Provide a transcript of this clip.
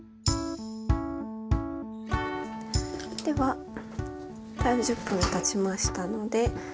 では３０分たちましたので。